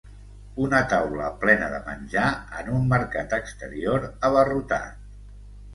Una taula plena de menjar en un mercat exterior abarrotat.